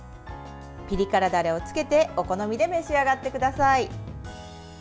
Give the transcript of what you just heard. ピリ辛ダレをつけてお好みで召し上がってください。